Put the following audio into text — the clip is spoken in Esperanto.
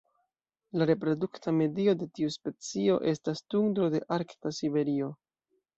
La reprodukta medio de tiu specio estas tundro de arkta Siberio.